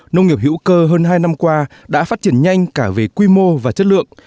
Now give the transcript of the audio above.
nông nghiệp hữu cơ hơn hai năm qua đã phát triển nhanh cả về quy mô và chất lượng